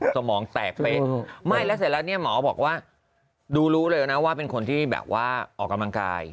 สมองแตกไปไม่แล้วเสร็จแล้วเนี่ยหมอบอกว่าดูรู้เลยนะว่าเป็นคนที่แบบว่าออกกำลังกาย